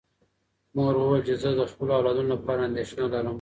مور وویل چې زه د خپلو اولادونو لپاره اندېښنه لرم.